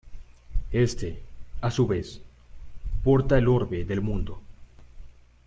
Este, a su vez, porta el orbe del mundo.